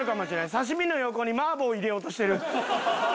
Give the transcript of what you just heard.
刺身の横に麻婆入れようとしてる。